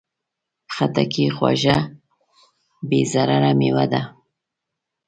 خټکی خوږه، بې ضرره مېوه ده.